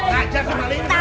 ngajar sama maliknya